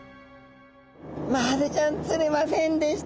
マハゼちゃん釣れませんでした。